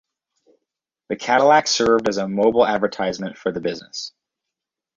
The Cadillac served as a mobile advertisement for the business.